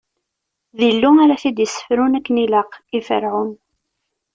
D Illu ara t-id-issefrun akken ilaq i Ferɛun.